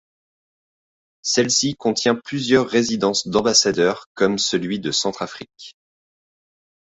Celle-ci contient plusieurs résidences d'ambassadeurs comme celui de Centrafrique.